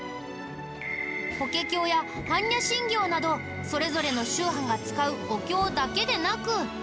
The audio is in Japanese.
法華経や般若心経などそれぞれの宗派が使うお経だけでなく。